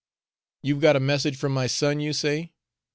"You 've got a message from my son, you say?"